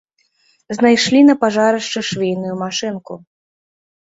Знайшлі на пажарышчы швейную машынку.